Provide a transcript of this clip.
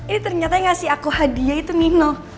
ini ternyata yang ngasih aku hadiah itu minum